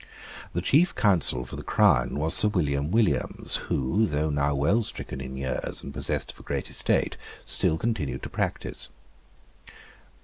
The chief counsel for the Crown was Sir William Williams, who, though now well stricken in years and possessed of a great estate, still continued to practise.